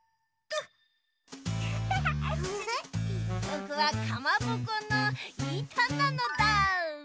ぼくはかまぼこのいたなのだ。